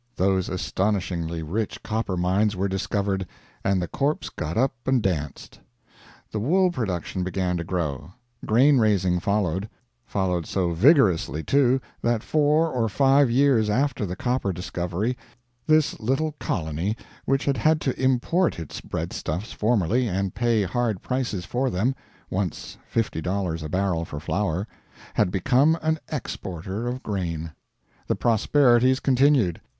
Those astonishingly rich copper mines were discovered, and the corpse got up and danced. The wool production began to grow; grain raising followed followed so vigorously, too, that four or five years after the copper discovery, this little colony, which had had to import its breadstuffs formerly, and pay hard prices for them once $50 a barrel for flour had become an exporter of grain. The prosperities continued.